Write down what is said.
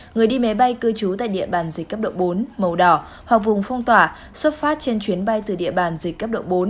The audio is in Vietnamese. người đi máy bay cư trú tại địa bàn dịch cấp độ bốn màu đỏ hoặc vùng phong tỏa xuất phát trên chuyến bay từ địa bàn dịch cấp độ bốn